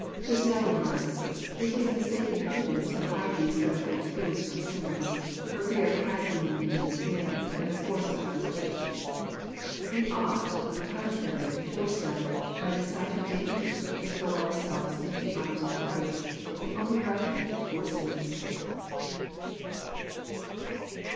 *' Quesnel remarks: ''It is a mistaken prudence to hide these dreadful truths from sinners, for fear of casting them into de spair by the force of God's judgments. We ought, on the con trary, to force them, by the sight of danger, to throw themselves into the arms of Christ, the only refuge for sinners."